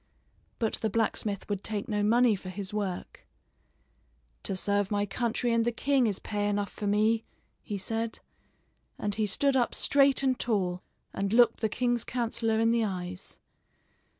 But the blacksmith would take no money for his work. "To serve my country and the king is pay enough for me," he said; and he stood up straight and tall and looked the king's counselor in the eyes.